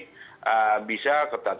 jadi bisa ketat